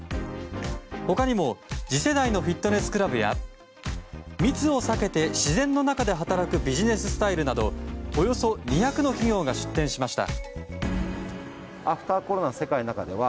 他にも次世代のフィットネスクラブや密を避けて自然の中で働くビジネススタイルなどおよそ２００の企業が出展しました。